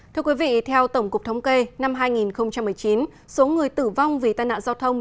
thưa quý vị theo tổng cục thống kê năm hai nghìn một mươi chín số người tử vong vì tai nạn giao thông